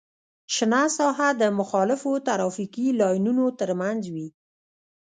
شنه ساحه د مخالفو ترافیکي لاینونو ترمنځ وي